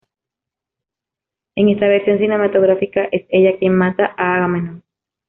En esta versión cinematográfica, es ella quien mata a Agamenón.